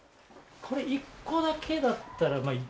これ１個だけだったら１カ月。